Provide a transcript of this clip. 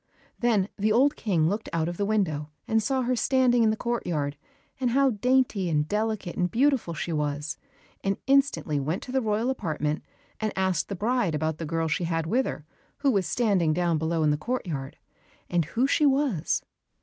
Then the old King looked out of the window and saw her standing in the courtyard, and how dainty and delicate and beautiful she was, and instantly went to the royal apartment, and asked the bride about the girl she had with her who was standing down below in the courtyard, and who she was?